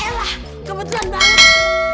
eh elah kebetulan banget